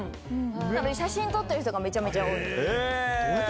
写真撮ってる人がめちゃめちゃ多い。